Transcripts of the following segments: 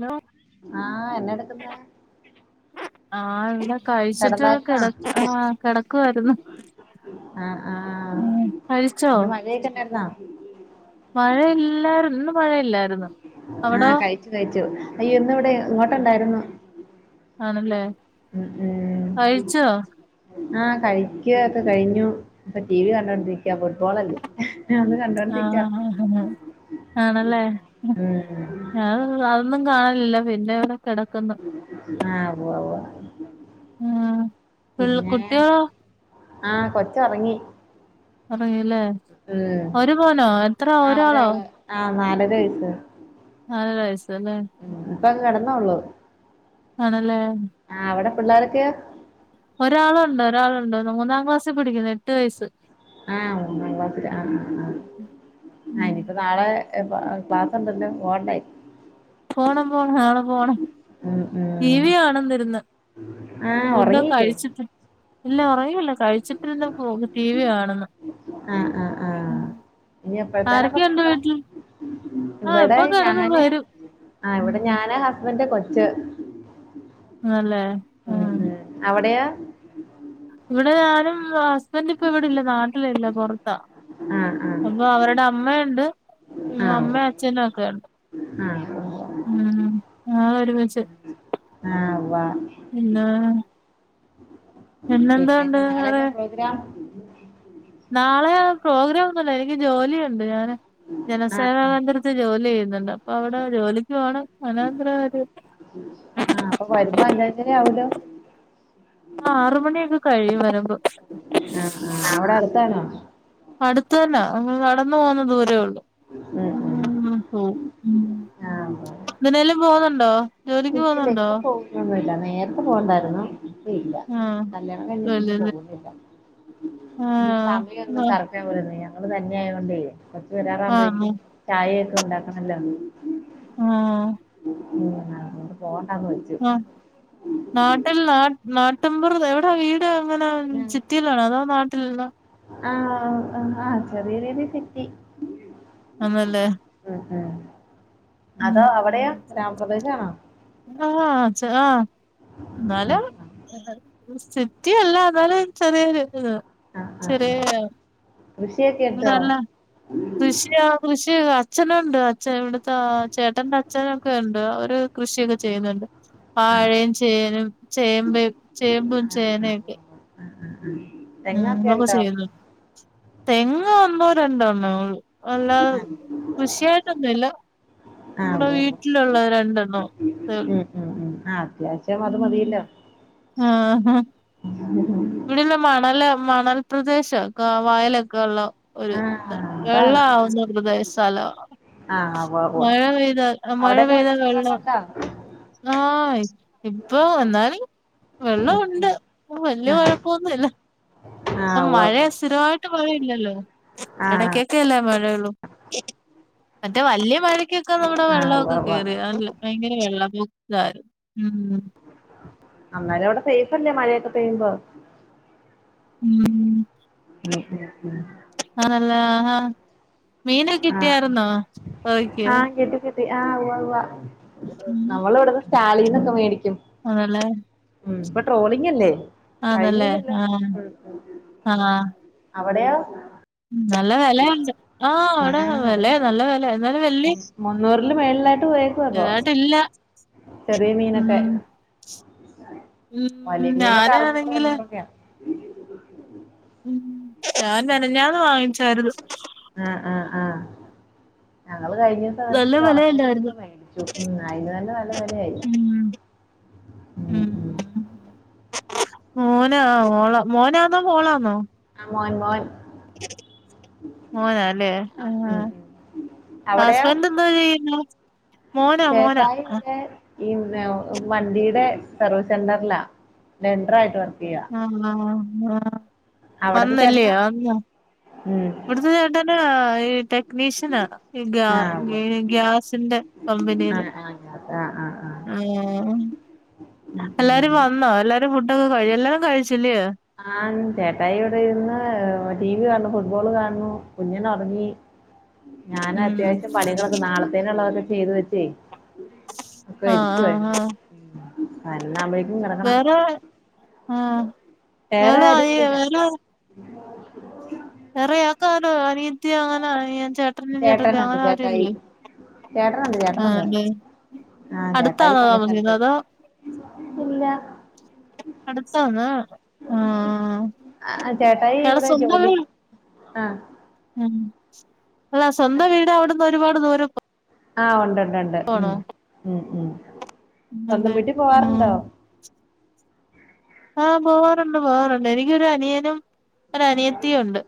Hello. ആഹ് എന്നെ എടുക്കുന്നു. ആഹ് ഇവിടെ കഴിച്ചിട്ട് കെടന്നായിരുന്നോ കിട കിടക്കുവായിരുന്നു. ആഹ് ആഹ് കഴിച്ചോ ഇന്ന് മഴയൊക്കെയുണ്ടായിരുന്നാ? മഴയില്ലായിരു ഇന്ന് മഴയില്ലായിരുന്നു. അവിടോ? ആഹ് കഴിച്ചു അയ്യോ ഇന്ന് ഇവിടെ ഇങ്ങോട്ടുണ്ടായിരുന്നു. ആണല്ലേ ഉംഉം കഴിച്ചോ ആഹ് കഴിക്കുക ഒക്കെ കഴിഞ്ഞു. ഇപ്പൊ ടി വി കണ്ടോണ്ടിരിക്കയാ. ഫുട്ബോളല്ലേ? അത് കണ്ടോണ്ടിരിക്ക ആഹ്ആഹ് ആണല്ലേ? ഉംഹ് ഞാൻ അതൊന്നും കാണലില്ല. പിന്നെവിടെ കിടക്കന്ന്. ആഹ് പോവാ. ആഹ് പിൾ പിന്നെ കുട്ടികളോ ആഹ് കൊച്ച്ഉറങ്ങി. ഉറങ്ങിയല്ലേ ഒരു മോനോ? എത്ര ആഹ് ഒരാളോ? ഒരാള് ആഹ് നാലര വയസ്സ്. നാലര വയസല്ലേ? ഉം. ഇപ്പംകിടന്നേ ഉള്ളൂ. ആണല്ലേ? ആഹ് അവിടെ പിള്ളോരൊക്കെയോ? ഒരാളുണ്ട് ഒരാളുണ്ട് മൂന്നാം ക്ലാസ്സിൽ പഠിക്കുന്നു. എട്ട് വയസ്സ്. ആഹ് മൂന്നാം ക്ലാസിലാ ആഹ് ആഹ് ആ ഉം ഇനിയിപ്പം നാളെ ക്ലാസ് ഉണ്ടല്ലോ? പോണ്ടേ? പോണം പോണം നാളെ പോണം. ഉംഹ് ടിവി കാണുന്ന് ഇരുന്ന്. ആഹ് ഫുഡ് ഒക്കെ ഉറങ്ങീല്ലേ കഴിച്ചിട്ട്. ഇല്ല ഒറയുല്ല കഴിച്ചിട്ട് ഇരുന്ന് ടി വി കാണുന്ന ആഹ് ആ് ആഹ ഇനി എപ്പഴത്തേന അപ്പ ആരൊക്കെയുണ്ട് കിടക്കണ വീട്ടിൽ ആഹ് ഇവിടെ ഇപ്പൊ കെടക്കും ഞാന് വരും ആ ഇവിടെ ഉം ഞാന് ഹസ്ബൻഡ കൊച്ച് ആല്ലേ. ഉ ഉം അവിടെയാ ഇവിടെ ഞാനും ഹസ്ബൻഡ ഇപ്പൊ ഇവിടെല്ല നാട്ടിലല്ല പുറത്താ ആഹ് ആഹ് അപ്പൊ അവരുടെ അമ്മയുണ്ട് അമ്മയും അച്ഛനും ഒക്കെണ്ട് ആം ഉം ആഹ് ഒരുമിച്ച് ആഹ വ പിന്നാ. പിന്നെന്താണ്ട് അടെ ഗിറ നാളെ പ്രോഗ്രാം ഒന്നുമല്ല എനിക്ക് ജോലിയ ഉണ്ട് ഞാന് ആഹ് ജനസേവാ ആഹ് കേന്ദ്രത്തിൽ ജോലി ചെയ്യുന്നുണ്ട് അപ്പൊ അവിടെ ജോലിക്ക് പോണം മനോന്തര കാര്യ ആഹ് അപ്പൊ വരുമ്പോ അഞ്ച് അഞ്ചര ആവൊലോ ആറുമണിയൊക്കെ കഴിയും വരുമ്പോ ആഹ് ആഹ് അവിടെ അടുത്താണോ അടുത്തതന്നെ അ നടന്നു പോകുന്ന ദൂരേള്ളൂ. ഉം ഉ ഉം ഹഓ ഉ ആഹ് എന്തിനേലും പോകുന്നുണ്ടോ ജോലിക്ക് ഇല്ലല്ല പോകുന്നുണ്ടോ ഇപ്പോ പോകൊന്നു ഇല്ല നേരത്തെ പോകണ്ടായിരുന്നു. ഇല്ല ഇല്ല ആഹ് കല്യാണം കഴിഞ്ഞ് ജോലിയല്ലേ പോകുന്നില്ല ആഹ് സമയമൊന്നും കറ ഞങ്ങൾ തന്നെ ആയ കൊണ്ടേ ബസ് വരാറാകുമ്പോ ആഹ് ചായയൊക്കെ ഉണ്ടാക്കണല്ലോ ആഹ് ഉം അത് കൊണ്ട് പോകണ്ടാന്ന് വെച്ചു. ആ നാട്ടിൽ നാ നാട്ടമ്പുറ എവിടാ വീട് വീട് എങ്ങനെ ചിത്തീലനോ അതോ നാട്ടിലല്ല ആഹ ആഹ ചെറിയ ചെറിയ സിറ്റി ആന്നല്ലേ ഉം ഉം ഉം അതോ അവിടെയോ ഗ്രാമപ്രദേശ ആണോ ആഹ് ച്ച ആഹ്. ന്നാലും ആഹ് ആഹ് സിറ്റിയല്ല ന്നാലും ചെറിയൊരു ഇത്. ആഹ് ആഹ് ആഹ് ചെറ്യോ കൃഷിയൊക്കെ ഉണ്ടോ തല്ല. കൃഷിയാ കൃഷി അച്ഛനുണ്ട് അച്ഛ ഇവിടത്തെ ചേട്ടൻന്റ ച്ഛനൊക്കെ ണ്ട് അവര്. കൃഷിയൊക്കെ ചെയ്യുന്നുണ്ട് ആഹ് വാഴയും ചേനയും ചേമ്പ ചേമ്പും ചേനയുംക്കെ. ഉം ഉം ഉം. ഉം തൊക്കെ ചെയ്തു തെങ് ഒന്നോ രണ്ടോണ്ണം ള്ളൂ. അല്ലാതെ ആഹ് കൃഷിയായിട്ടൊന്നുല്ല. ആഹ് മ്മുടെ ഉവ്വ് ഉവ്വ് വീട്ടിലുള്ളത് രണ്ടെണ്ണോ സെ. ഉം ഉം ഉം ആ അത്യാവശ്യം അത് മതിയില്ലോ. ആ ഇവിടെല്ല മണല് മണൽപ്രദേശംക്ക വായലൊക്കെള്ള. ഒരു ആ ദ അതാണ് വെള്ളാവുന്നെ [unintelligible] ദയ സ്ഥല. ആ ആ ഉവ്വ ഉവ്വ മഴ പെയ്താൽ അ മഴ അവിടെയൊക്കെ പെയ്താൽ വെള്ളം കേറാറുണ്ടോ ആയ്. പ്പൊ എന്നാലി വെള്ള ഉണ്ട് വല്ല്യ ആ കൊഴപ്പൊന്നുല്ല. ആ സം ഉവ്വ മഴ ഉവ്വ സ്ഥിരമായിട്ട് മഴയില്ലല്ലോ ആ ഇടക്ക ക്കെല്ലേ മഴയളും മറ്റേ വല്ല്യ മഴക്കൊക്കെ നമ്മടെ ആ ഉവ്വ വെള്ളക്കെ ഉവ്വ കേറിയാണല്ലോ. ഭയങ്കര വെള്ള പൊത്താര് ഉം. അന്നേരവിടെ സേഫല്ലേ മഴയൊക്കെ പെയ്യുമ്പോ. ഉം. [inaudible] ആണല്ല ഹ മീന ആ കിട്ടിയിര്ന്നോ ഒഴക്ക്. പി ആഹ് ഉവ്വ ഉവ്വ ഉം നമ്മളിവിടന്ന് സ്റ്റാലീന്നൊക്കെ മേടിക്ക്യും. ആണല്ലേ. ഉം പ്പ ട്രോളിങല്ലേ അതല്ലേ കഴിഞ്ഞില്ലല്ലോ ആഹ് ഉം ഉം ഉം. ആഹ് അവടെയോ. നല്ല വെലയുണ്ട് ആഹ് ആ അവിടെ അതെ വെലെ അതെ നല്ല വെലെ ന്നാലും വെള്ളി. മുന്നൂറില് മേളിലായിട്ട് പോയേക്കുവാ ഇപ്പൊ ഇതായിട്ടില്ല ചെറിയ മീനൊക്കെ ഉം. വലിയ ഉം മീനൊക്കെ അറുന്നൂറ് ഞാനാണെങ്കില്. എണ്ണൂറൊക്കെയാ ഉം ഞാൻ മെനെഞ്ഞാന്ന് വാങ്ങിച്ചായിര്ന്നു. ആഹ് ആഹ് ആഹ് ഞങ്ങള് കഴിഞ്ഞു. നല്ല വേട്ച്ച്ട്ട് വെലയല്ലായിരുന്നോ ഉണക്കമീനൊക്കെ മേടിച്ചു ഉം അയിന് തന്നെ നല്ല വെലയായി. ഉം ഉം. മോനാ ഓള മോനാന്നോ മോളാന്നോ. ആഹ് മോൻ മോൻ. മോനാല്ലേ ഉം ആഹ്. ഉം അവിടെയോ ഹസ്ബൻഡ് എന്താ ചെയ്യുന്നു മോന മോന. ചേട്ടായി ഇവിടെ ഈ മെവു വണ്ടിടെ സർവീസ് സെന്റർലാ ലെന്ററായിട്ട് വർക്കെയ്യാ. ആഹ് അവിടത്തെ വന്നല്ലേ ചേട്ടനോ അന്ന് ഉം ഇവിട്ത്തെ ചേട്ടൻ. നാഹ് ഈ ട്ടെ നീഷ്യനാണ് ഈ ഗ്യാ ആഹ് ഉവ്വ് ഏ ഗ്യാസിന്റെ കമ്പനിയില്. ആഹ് ആഹ് ഞാത ആഹ് ആഹ്. അയ്യോഹ്. ഉം അല്ലാരും ഉം വന്നോ എല്ലാരും ഫുഡൊക്കെ കഴു എല്ലാരും കഴിച്ചില്ലേ. ആഹ് ചേട്ടായി ഇവിടെ ഇരുന്ന് ടി വി കാണുന്നു ഫുട്ബോള് കാണുന്നു കുഞ്ഞൻ ഓർങ്ങി. ഉം ഞാനത്യാവശ്യം പണികളൊക്കെ നാളത്തേന്ള്ളതൊക്കെ ചെയ്തു വെച്ചേ. ആഹ് ആഹ് ആഹ്. പതിനൊന്ന് ആകുമ്പോഴേക്കും കട വേറെ ആഹ്. വേറെ എവിടാ ആരും ഈ ഇവിടില്ല. വേറെയാക്കാലോ അനീയത്തി അങ്ങനെ അനിയൻ ചേട്ടനും ചേട്ടത്തി ചേട്ടനുണ്ട് അങ്ങനെ ചേട്ടായി ആരുല്ലേ ചേട്ടനുണ്ട് ആഹ് ചേട്ടനുണ്ട് ലെ ആ ചേട്ടായി അടുത്താണോ പണി താമസിക്കുന്നെ സ്ഥലത്ത് അതോ ഇല്ല അടുതാണോ ആഹ് ഇയാള് സ്വന്തം വീ ആഹ് ഉം അല്ല സ്വന്തം വീട് അവിടന്ന് ഒരുപാട് ദൂരം പോ ആഹ് ഉണ്ട് ണ്ട് ണ്ട് ഉം ഉം ഉം സ്വന്തം അതെ വീട്ടി ഉം പോവാറുണ്ടോ ആഹ് പോവാറുണ്ട് പോവാറുണ്ട് എനിക്കൊരു അനിയനും ഒരനിയത്തിയുണ്ട്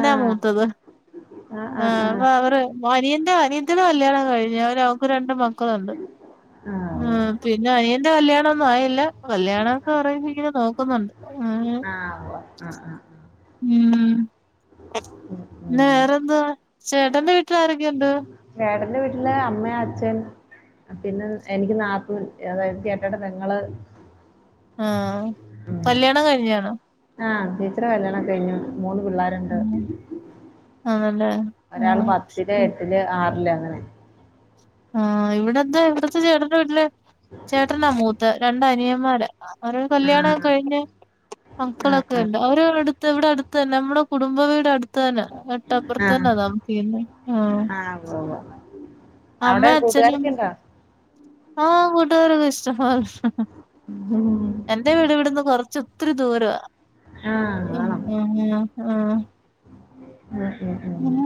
ആ മൂത്തത് ആ ആ ആഹ് ആ അപ്പൊ അവര് അനിയന്റെ അനിയത്തിടെ കല്യാണം കഴിഞ്ഞ് അവര് അവൾക്ക് രണ്ട് മക്കളുണ്ട് ആ ഉവ്വ്. ആ ഉവ്വ്. ആഹ് പിന്നെ അനിയന്റെ കല്യാണം ഒന്നും ആയില്ല കല്യാ പറയുമ്പോ ഇങ്ങനെ നോക്കുന്നുണ്ട് ഉം ആ ആ ആ മ് ഉം പിന്നെ ഉം വേറെന്താ ചേട്ടന്റെ വീട്ടിൽ ആരൊക്കെയുണ്ട് ചേട്ടന്റെ വീട്ടില് അമ്മ അച്ഛൻ പിന്നെ എനിക്ക് നാത്തൂൻ അതായത് ചേട്ടായിടെ പെങ്ങള് ആഹ് കല്യാണം കഴിഞ്ഞാണോ ആഹ് ചേച്ചിടെ കല്യാണം ഒക്കെ കഴിഞ്ഞു മൂന്ന് പിള്ളാരുണ്ട് ഉം ആണല്ലേ ഒരാള് ആഹ് പത്തില് എട്ടില് ആറില് അങ്ങനെ ആഹ് ഇവിടെത്തെ ഇവിടത്തെ ചേട്ടന്റെ വീട്ടില് ചേട്ടനാ മൂത്തത് രണ്ടനിയന്മാര അവരുടെ ആ കല്യാണം ഒക്കെ കഴിഞ്ഞ് ആ മക്കളൊക്കെ ഉണ്ട് അവരു അടുത്ത് ഇവിടെ അടുത്ത് തന്നെ നമ്മുടെ കുടുംബവീട് അടുത്ത് ടുത്തന്നെ തോട്ടപ്പുറത്തുന്നെ താമസിക്കുന്നേ ആഹ് അഹ് ഉവ്വ വ്വ അവിടെ അമ്മയും അച്ഛനും കൂട്ടുകാരക്കെ ഇണ്ട ആഹ് കൂട്ടുകാരൊക്കെ ഇഷ്ടംപോലെ ഉം എന്റെ വീട് ഇവിടുന്ന് കൊറച്ച് ഇത്തിരി ദൂരവാ ആ ഉം ആണോ ഉം അഹ് ആഹ് ഉം ഉം ഉം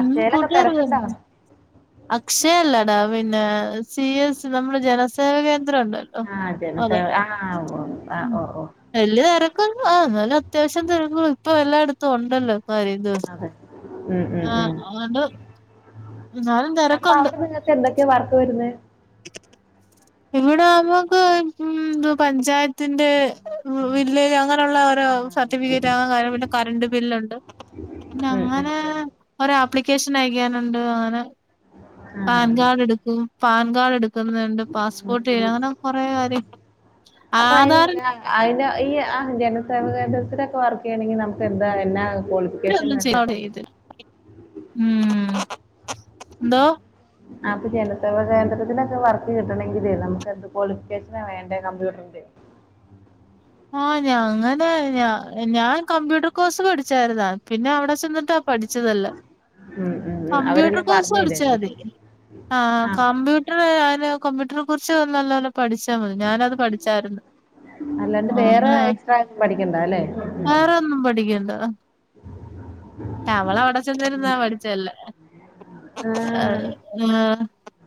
അക്ഷയയിലൊക്കെ തെരക്കിണ്ടോ അക്ഷയ അല്ലടാ പിന്നെ സി എസ് നമ്മുടെ ജനസേവ കേന്ദ്രം ഉണ്ട് ആഹ് ജനസേവ ആഹ് ഉവ്വ ആഹ് ഓ ഓ വലിയ തിരക്കുണ്ട് ആഹ് എന്നാല് അത്യാവശ്യം തിരക്കും ഇപ്പൊ എല്ലായിടത്തും ഉണ്ടല്ലോ കാര്യ ണ്ട് അതെ ഉം, ഉം, ആഹ് ഉം. അതുണ്ട് എന്നാലും തെരക്കുണ്ട് പ്പോ എന്തൊക്കെയ വർക്ക് വരുന്നെ ഇവിടെ നമ്മക്ക് ഈ തു പഞ്ചായത്ത് ത്തിന്റെ വില്ലേജ് അങ്ങനെയുള്ള ഓരോ ഉം ഉം സർട്ടിഫിക്കറ്റ് അഹ് കാര്യം പിന്നെ കറണ്ട് ബില്ലുണ്ട് പിന്ന അങ്ങനെ ഉം ഒരാപ്ലിക്കേഷൻ അയക്കാനണ്ട് അങ്ങനെ പാൻ കാർഡ് എടുക്കും പാൻ കാർഡ് എടുക്ക എടുക്കുന്നുണ്ട് പാസ്പോർട്ട് അങ്ങനെ കൊറെ കാര്യം അപ്പൊ അതിന് ആധാറി അതിന് ഈ ആഹ് ജനസേവക കേന്ദ്രത്തിലൊക്കെ വർക്ക് ചെയ്യണെങ്കിൽ നമുക്ക് എന്താ എന്നാ ക്വാളിഫി [inaudible] ഉം എന്തോ [inaudible] അപ്പൊ ജനസേവക കേന്ദ്രതത്തിനൊക്കെ വർക്ക് കിട്ടണെങ്കില് നമുക്ക് എന്ത് ക്വാളിഫിക്കേഷന വേണ്ടേ കമ്പ്യൂട്ടറിന്റെയോ ആഹ് ഞാങ്ങനെ ഞ ഞാൻ കമ്പ്യൂട്ടർ കോഴ്സ് പഠിച്ചാരുന്നത പിന്നെ അവിടെ ചെന്നിട്ട് അഹ് പഠിച്ചതല്ല ഉം ഉം ഉം കമ്പ്യൂട്ടർ അവരെല്ലാം കോഴ്സ് പറഞ്ഞു പഠിച്ചാ മതി തരുവായിരിക്കും അല്ലേ ആഹ് ആ കമ്പ്യൂ ട്ടർ ഞാന് കമ്പ്യൂട്ടറെ കുറിച്ച് നല്ലോലെ പഠിച്ചാമതി ഞാനത് പഠിച്ചാരുന്നു അല്ലാണ്ട് അഹ് വേറെ ലെ എക്സ്ട്രാ ഒന്നും പഠിക്കണ്ട അല്ലേ വേറെ ഒന്നും പഠിക്കണ്ട ട്ടവള് അവിടെ ചെന്നിരുന്നാ പഠിച്ചെ എല്ലാം ആഹ് അഹ്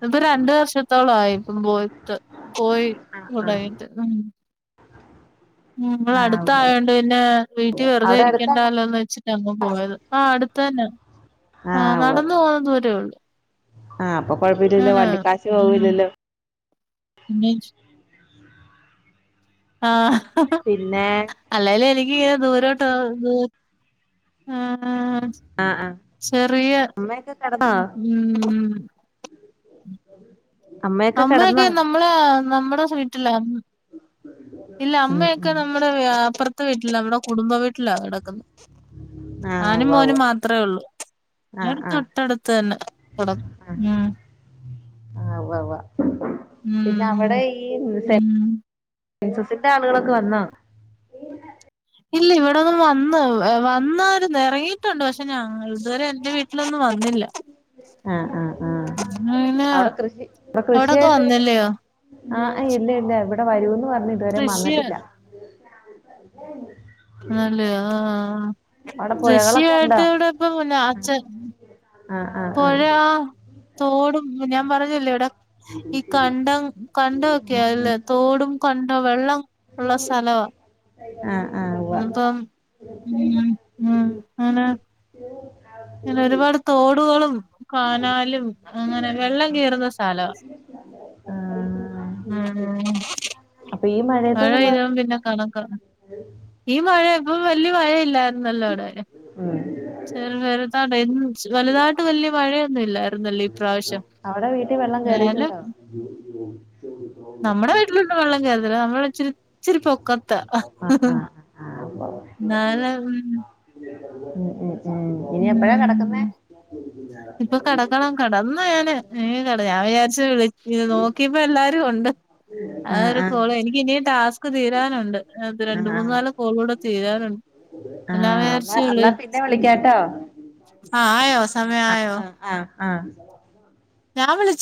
ഇത് രണ്ട് വർഷത്തോളായി ഇപ്പം പോയിട്ട് പോയി ആഹ് തുടങ്ങീട്ട് ഉം ഉം ഇവിടെ ആഹ് ഉവ്വ് ഉവ്വ് അടുത്തായോണ്ട് പിന്നെ വീട്ടി വെറുതെ അവിടെ അടുത്താണോ ഇരിക്കണ്ടാല്ലോന്ന് വെച്ചിട്ട അപ്പ പോയത് ആഹ് അടുത്തന്നെ ആഹ് ഉവ്വ് നടന്ന് ഉവ്വ് പോവാൻ ദൂരോള്ളു ആഹ് അപ്പൊ [unintelligible] വണ്ടിക്കാശ് ഉം പോവൂല്ലല്ലോ [inaudible] ആഹ് പിന്നെ അല്ലെലു എനിക്ക് ദൂരോട്ട ആഹ് ആഹ് ആഹ് ചെറിയ അമ്മയൊക്കെ കെടന്നോ [unintelligible] [inaudible] അമ്മയൊക്കെ നമ്മളെ നമ്മുടെ വീട്ടിലാരുന്ന ഇല്ല ഉം അമ്മയൊക്കെ ഉം നമ്മുടെ അപ്പുറത്ത വീട്ടില അവിടെ കുടുംബ വീട്ടിലാ കടക്കുന്ന ആഹ് ഞാനും ഉവ്വ ഉവ്വ മോനും മാത്രെ ഉള്ളൂ ആഹ് [unintelligible] ആഹ് തൊട്ടാടുത്ത് തന്നെ കുടം ഉം ആഹ് ഉവ്വ ഉവ്വ പിന്നെ അവിടെ ഉം ഈ സെറ്റ ഉം സെൻസസിന്റെ ആളുകളൊക്കെ വന്നോ ഇല്ല ഇവിടെതാ വന്ന് വന്നാരുന്ന് ഇറങ്ങിയിട്ടുണ്ട് പക്ഷെ ഞങ്ങൾ ഇതുവരെ എന്റെ വീട്ടിലൊന്ന് വന്നില്ല ആഹ് ആഹ് ആഹ് [unintelligible] അവിടെ കൃഷി അവിടെ അവിടൊക്കെ കൃഷിയായിട്ട് വന്നില്ലയോ ആഹ് ഇല്ല ഇല്ല ഇവിട വരൂന്ന് പറഞ്ഞ് ഇതുവരെ കൃഷി വന്നിട്ടില്ല ആന്നല്ലയോ ആഹ് ആഹ് അവിടെ പുഴകളൊക്കെ ഉണ്ടോ കൃഷിയായിട്ട് ഇവിടെ ഇപ്പം അച്ഛൻ ആഹ് ആഹ് പുഴ ആഹ് തോടും ഞാൻ പറഞ്ഞില്ലെട ഈ കണ്ടം കണ്ടൊ ഒക്കെ ആയി അല്ലെ തോടും കണ്ട വെള്ളം ഉള്ള സലവ ആഹ് ആഹ് ഉവ്വ ഇന്ന് പ്പം ഉം [unintelligible] [unintelligible] ഇങ്ങനെ ഒരുപാട് തോടുകളും കാനാലും അങ്ങനെ വെള്ളം കേറുന്ന സ്ഥലാ [inaudible] ആണോ അപ്പൊ ഈ മഴ മഴയത്തൊന്നും പെയ്ത കൊഴപ്പ പിന്നെ കണക്കാ ഈ മഴ ഇപ്പൊ വല്യയ മഴയില്ലായിരുന്നല്ലോ വിടെ ഉം [unintelligible] വലുതാട്ട് വലിയ മഴയൊന്നും ഇല്ലായിരുന്നല്ല അവിടെ വീട്ടിൽ വെള്ളം കേറിട്ടുണ്ടോ നമ്മടെ വീട്ടിലൊന്നും വെള്ളം കേറതില്ല നമ്മള ഇച്ചിരിച്ചിരി പൊക്കത്ത ആ ആ ആ നാളെ ഉം ഉം ഉം ഉം ഇനി എപ്പഴാ കിടക്കുന്നേ ഉം ഇപ്പൊ കടക്കണം കടന്ന് ഞാൻ കട ഞാൻ വിചാരിച്ച് വിളി നോക്കിയപ്പോ എല്ലാരും ഒണ്ട് ആ ആഹ് ഒര് ആ കോള് എനിക്ക് ഇനിം ടാസ്ക് ക്ക് തീരാനുണ്ട് ആ രണ്ട് ആ മൂന്നാല് കോളുടെ തീരാനുണ്ട് എല്ലാം വിചാരിച് വിളിച്ചു കേട്ടോ ആഹ് ആയോ സമയആയോ ആഹ് ആഹ് ഞാൻ വിളിച്ച്